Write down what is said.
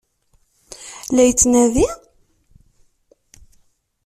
La tt-yettnadi?